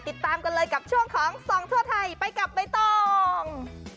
ติดตามกันเลยกับช่วงของส่องทั่วไทยไปกับใบตอง